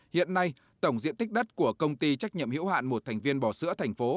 hiện nay tổng diện tích đất của công ty trách nhiệm hiểu hạn một thành viên bò sữa thành phố